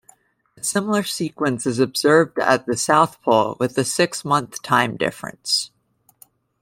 A similar sequence is observed at the South Pole, with a six-month time difference.